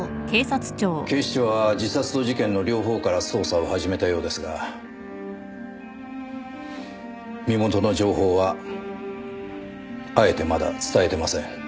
警視庁は自殺と事件の両方から捜査を始めたようですが身元の情報はあえてまだ伝えてません。